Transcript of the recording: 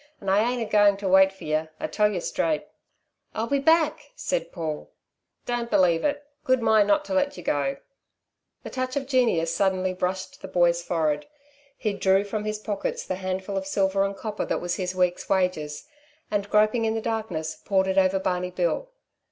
And I ain't a going to wait for yer, I tell yer straight." "I'll be back," said Paul. "Don't believe it. Good mind not to let yer go." The touch of genius suddenly brushed the boy's forehead. He drew from his pockets the handful of silver and copper that was his week's wages, and, groping in the darkness, poured it over Barney Bill.